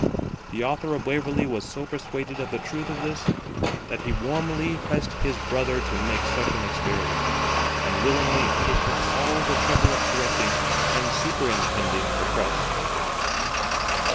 The Author of Waverley was so persuaded of the truth of this, that he warmly pressed his brother to make such an experiment, and willingly undertook all the trouble of correcting and superintending the press.